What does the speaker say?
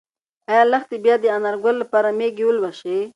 ایا لښتې به بیا د انارګل لپاره مېږې ولوشي؟